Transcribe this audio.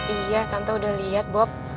iya tante udah lihat bob